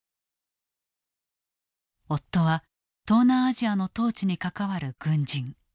夫は東南アジアの統治に関わる軍人。